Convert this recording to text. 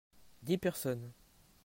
Dix personnes.